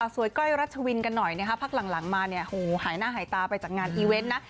สวยก้อยรัชวินกันหน่อยพักหลังมาหายหน้าหายตาไปจากงานอีเวนต์นะ